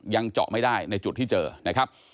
ยังเจาะไม่ได้ในจุดที่เจอนะครับ